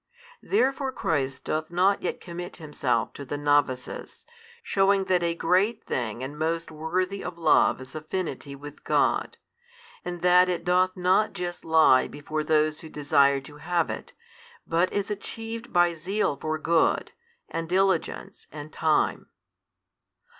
Therefore Christ doth not yet commit Himself to the novices, shewing that a great thing and most worthy of love is affinity with God, and that it doth not just lie before those who desire to have it, but is achieved by zeal for good, and diligence and time.